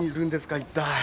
一体。